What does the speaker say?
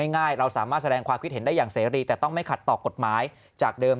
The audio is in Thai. ง่ายเราสามารถแสดงความคิดเห็นได้อย่างเสรีแต่ต้องไม่ขัดต่อกฎหมายจากเดิม